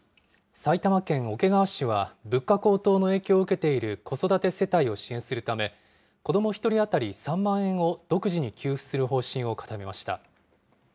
埼玉県桶川市は、物価高騰の影響を受けている子育て世帯を支援するため、子ども１人当たり３万円を独自に給付する方針を固めました。